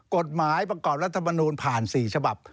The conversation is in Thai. กฎหมายประกอบรัฐมนูลผ่าน๔ฉบับ